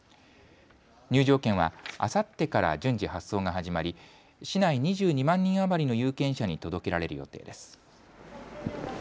入場券はあさってから順次発送が始まり市内２２万人余りの有権者に届けられる予定です。